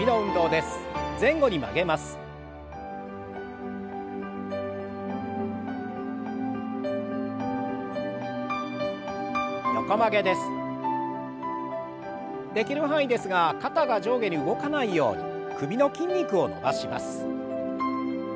できる範囲ですが肩が上下に動かないように首の筋肉を伸ばします。